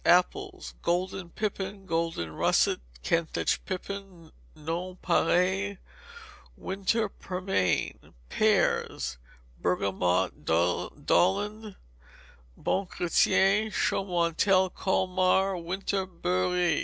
Apples: Golden pippin, golden russet, Kentish pippin, nonpareil, winter pearmain. Pears: Bergamot d'Hollande, Bon Chrétien, Chaumontel, Colmar, winter beurré.